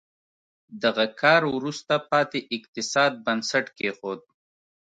دغه کار وروسته پاتې اقتصاد بنسټ کېښود.